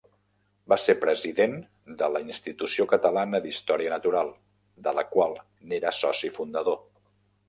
Va ser president de la Institució Catalana d'Història Natural, de la qual n'era soci fundador.